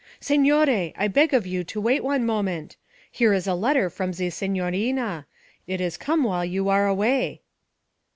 'Signore! I beg of you to wait one moment. Here is a letter from ze signorina; it is come while you are away.'